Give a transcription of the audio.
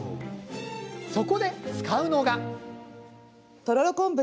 そこで、使うのが。